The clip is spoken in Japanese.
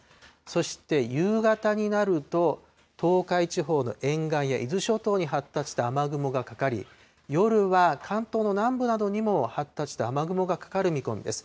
そして夕方になると、東海地方の沿岸や伊豆諸島に発達した雨雲がかかり、夜は関東の南部などにも発達した雨雲がかかる見込みです。